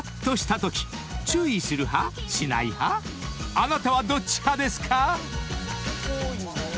［あなたはどっち派ですか？］